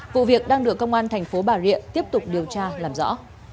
vụ việc đang được công an thành phố bà rịa tiếp tục điều tra làm rõ